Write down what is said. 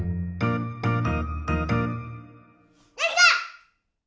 できた！